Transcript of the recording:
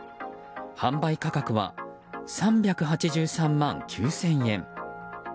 販売価格は３８３万９０００円。